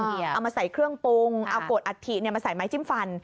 เอามาใส่เครื่องปรุงเอาโกรธอัฐิมาใส่ไม้จิ้มฟัน